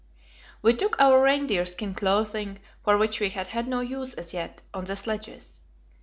We took our reindeer skin clothing, for which we had had no use as yet, on the sledges.